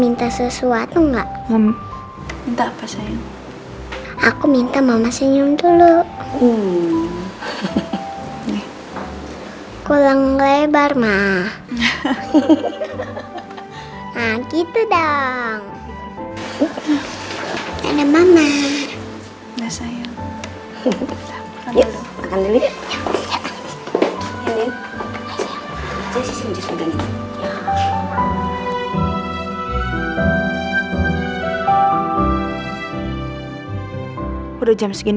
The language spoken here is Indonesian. mengapa kamu ngambil segar oven liter yang sulit ke norweg